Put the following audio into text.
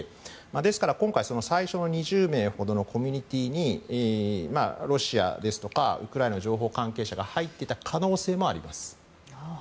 ですから今回、最初の２０名ほどのコミュニティーにロシアですとかウクライナの情報関係者が入っていた可能性もあります。